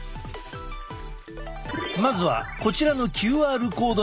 まずはこちらのＱＲコードにアクセス。